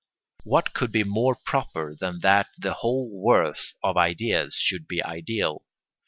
What could be more proper than that the whole worth of ideas should be ideal?